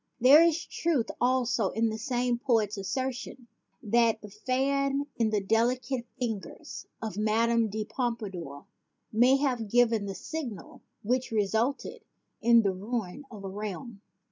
There is truth also in the same poet's assertion that the fan in the delicate fingers of Madame de Pompadour may have given the signal which resulted in the ruin of a realm.